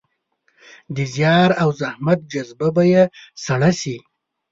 د زیار او زحمت جذبه به يې سړه شي.